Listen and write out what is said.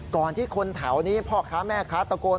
ก่อนที่คนแถวนี้พ่อค้าแม่ค้าตะโกน